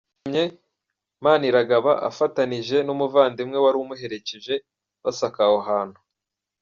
Ibyo byatumye Maniragaba afatanije n’umuvandimwe wari umuherekeje basaka aho ahantu .